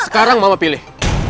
sekarang mama pilih